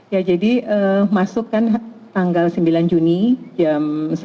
ya jadi masuk kan tanggal sembilan juni jam sebelas